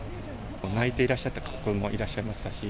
泣いていらっしゃってた子どももいらっしゃいましたし。